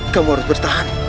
kamu harus bertahan